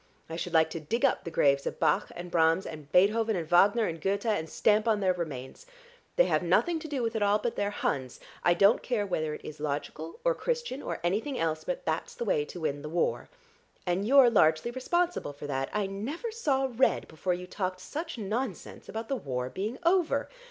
I should like to dig up the graves of Bach and Brahms and Beethoven and Wagner and Goethe, and stamp on their remains. They have nothing to do with it all but they're Huns. I don't care whether it is logical or Christian or anything else, but that's the way to win the war. And you're largely responsible for that; I never saw red before you talked such nonsense about the war being over.